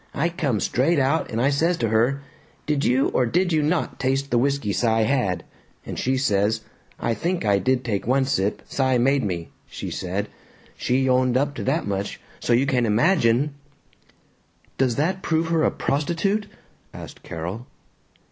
I come straight out and I says to her, 'Did you or did you not taste the whisky Cy had?' and she says, 'I think I did take one sip Cy made me,' she said. She owned up to that much, so you can imagine " "Does that prove her a prostitute?" asked Carol.